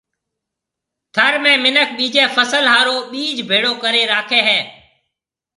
ٿر ۾ منک ٻيجيَ فصل ھارو ٻِج ڀيݪو ڪرَي راکيَ ھيََََ